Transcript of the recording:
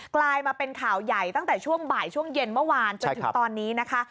กลายมาเป็นข่าวใหญ่ตั้งแต่ช่วงบ่ายช่วงเย็นเมื่อวานจนถึงตอนนี้นะคะ